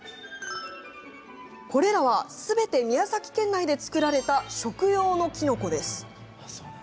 これらはすべて宮崎県内で作られた食用のキノコです。